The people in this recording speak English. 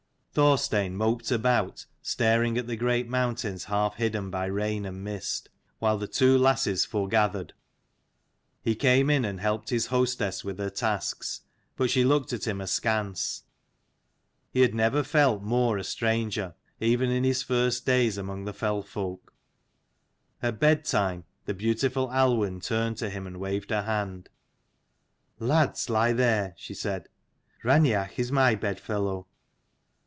Thorstein moped about, staring at the great mountains half hidden by rain and mist, while the two lasses foregathered. He came in and helped his hostess with her tasks, but she looked at him askance. He had never felt more a stranger, even in his first days among the fell folk. At bed time, the beautiful Aluinn turned to him and waved her hand. " Lads lie there :" she said. " Raineach is my bed fellow."